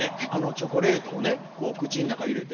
チョコレートをねこう口ん中入れて。